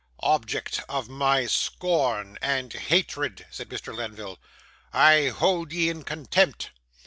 'Object of my scorn and hatred!' said Mr. Lenville, 'I hold ye in contempt.